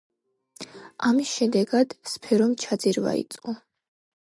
ამის შედეგად, სფერომ ჩაძირვა იწყო.